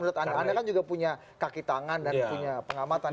menurut anda anda kan juga punya kaki tangan dan punya pengamatan